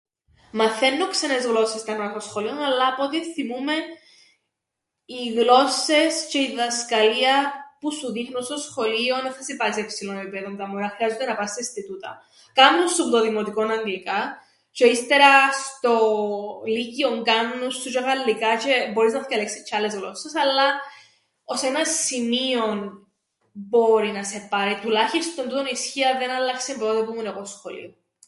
Μαθαίννουν ξένες γλώσσες τα μωρά στο σχολείον αλλά απ' ό,τι θθυμούμαι οι γλώσσες τζ̆αι η διδασκαλία που σου δείχνουν στο σχολείον εν θα σε πάρει σε ψηλόν επίπεδον τα μωρά χρειάζουνται να παν σε ινστιτούτα. Κάμνουν στο δημοτικόν Αγγλικά τζ̆αι ύστερα στο λύκειον κάμνουν σου τζ̆αι Γαλλικά τζ̆αι μπορείς να θκιαλέξεις τζ̆αι άλλες γλώσσες αλλά ώς έναν σημείον μπόρει να σε πάρει, τουλάχιστον τούτον ισχύει αν δεν άλλαξεν που τότε που 'μουν εγώ σχολείον.